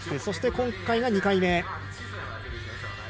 そして、今回が２回目。